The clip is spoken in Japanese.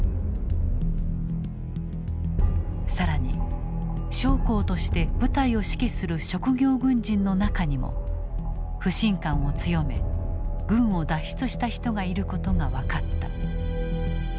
更に将校として部隊を指揮する職業軍人の中にも不信感を強め軍を脱出した人がいることが分かった。